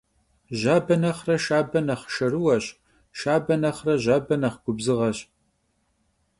Jabe nexhre şşabe nexh şşerıueş, şşabe nexhre jabe nexh gubzığeş.